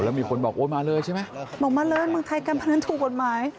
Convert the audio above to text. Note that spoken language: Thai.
แล้วมีคนบอกโอ้ยมาเลยใช่ไหมบอกมาเลยเมืองไทยการพนันถูกกฎหมาย